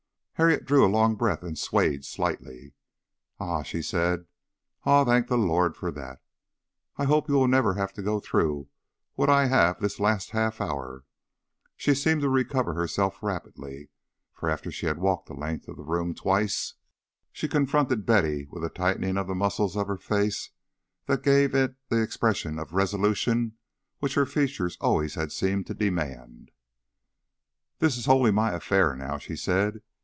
Harriet drew a long breath and swayed slightly. "Ah!" she said. "Ah! Thank the Lord for that. I hope you will never have to go through what I have in this last half hour." She seemed to recover herself rapidly, for after she had walked the length of the room twice, she confronted Betty with a tightening of the muscles of her face that gave it the expression of resolution which her features always had seemed to demand. "This is wholly my affair now," she said.